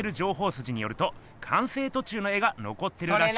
すじによると完成とちゅうの絵がのこってるらしく。